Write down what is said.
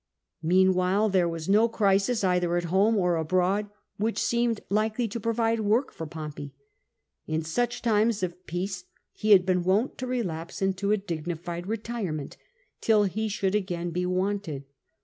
Meanwhile there was no crisis either at home or abroad which seemed likely to provide work for Pompey. In such times of peace he had been wont to relapse into a dignified retirement till he should again be wanted.